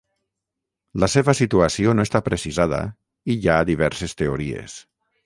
La seva situació no està precisada i hi ha diverses teories.